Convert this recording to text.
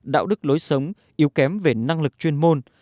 đạo đức lối sống yếu kém về năng lực chuyên môn